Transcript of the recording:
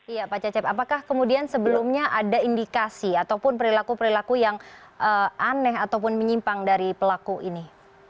iya pak cecep apakah kemudian sebelumnya ada indikasi ataupun perilaku perilaku yang aneh ataupun menyimpang dari pelaku ini